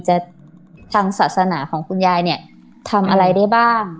ทางศาสนาของคุณยายเนี่ยทำอะไรได้บ้าง